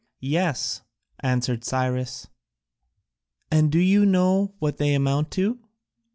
"Yes," answered Cyrus. "And do you know what they amount to?"